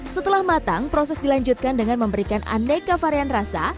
setelah matang proses dilanjutkan dengan memberikan aneka varian rasa